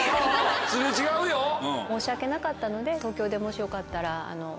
申し訳なかったのでもしよかったら。